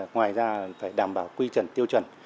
ngoài ra phải đảm bảo quy trần tiêu chuẩn